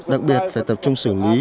đặc biệt phải tập trung xử lý